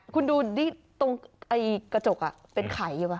คุณดูตรงไอ้กระจกเป็นไข่อยู่ป่ะ